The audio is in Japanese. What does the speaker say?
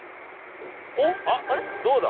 あっどうだ？